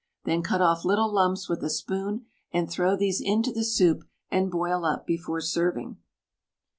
Then cut off little lumps with a spoon, and throw these into the soup and boil up before serving.